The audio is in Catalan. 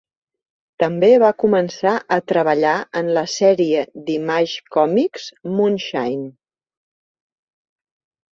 També va començar a treballar en la sèrie d'Image Comics "Moonshine".